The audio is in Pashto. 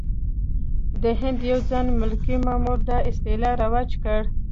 د هند یو ځوان ملکي مامور دا اصطلاح رواج کړه.